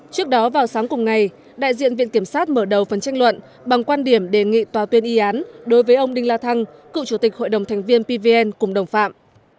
trước đó vào sáng cùng ngày đại diện viện kiểm sát mở đầu phần tranh luận bằng quan điểm đề nghị tòa tuyên y án đối với ông đinh la thăng cựu chủ tịch hội đồng thành viên pvn cùng đồng phạm